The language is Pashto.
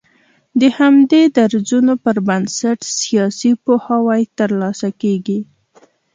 د همدې درځونو پر بنسټ سياسي پوهاوی تر لاسه کېږي